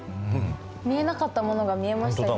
見えなかったものが見えました今。